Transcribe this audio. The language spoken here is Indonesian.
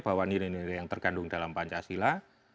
bahwa nilai nilai yang terkandung dalam pancasila